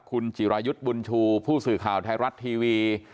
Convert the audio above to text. คุณจิรายุทธ์บุญชูผู้สื่อข่าวไทยรัฐทีวี